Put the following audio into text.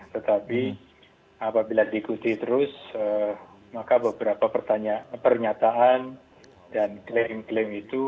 tetapi apabila diikuti terus maka beberapa pernyataan dan klaim klaim itu